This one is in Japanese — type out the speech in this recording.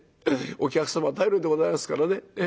お客様頼りでございますからね。